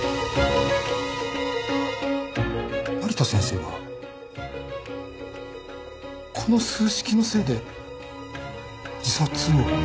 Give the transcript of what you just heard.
成田先生はこの数式のせいで自殺を？